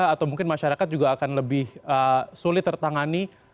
atau mungkin masyarakat juga akan lebih sulit tertangani